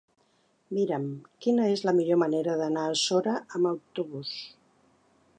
Mira'm quina és la millor manera d'anar a Sora amb autobús.